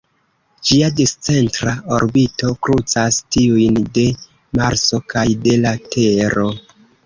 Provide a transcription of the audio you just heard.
Ĝia discentra orbito krucas tiujn de Marso kaj de la Tero.